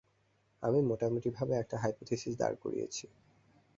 আমি মোটামুটিভাবে একটা হাইপোথিসিস দাঁড় করিয়েছি।